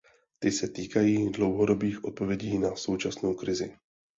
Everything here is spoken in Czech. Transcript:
Ty se týkají dlouhodobých odpovědí na současnou krizi.